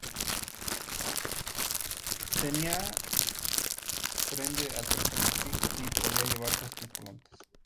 Tenía tren de aterrizaje fijo y podía llevar dos tripulantes.